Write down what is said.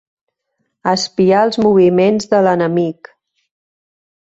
Espiar els moviments de l'enemic.